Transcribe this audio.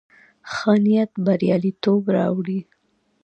ښه نيت برياليتوب راوړي.